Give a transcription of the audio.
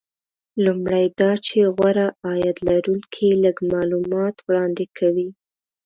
لومړی دا چې غوره عاید لرونکي لږ معلومات وړاندې کوي